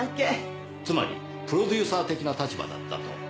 つまりプロデューサー的な立場だったと。